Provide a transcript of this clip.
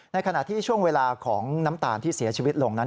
ขณะที่ช่วงเวลาของน้ำตาลที่เสียชีวิตลงนั้น